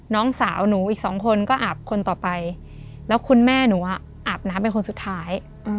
น้องสาวหนูอีกสองคนก็อาบคนต่อไปแล้วคุณแม่หนูอ่ะอาบน้ำเป็นคนสุดท้าย